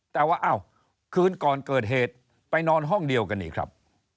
แต่ว่าอ้าวคืนก่อนเกิดเหตุไปนอนห้องเดียวกันอีกครับ